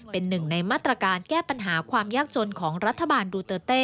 เป็นหนึ่งในมาตรการแก้ปัญหาความยากจนของรัฐบาลดูเตอร์เต้